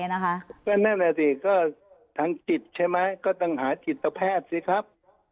นั่นแหละสิก็ทางจิตใช่ไหมก็ต้องหาจิตแพทย์สิครับ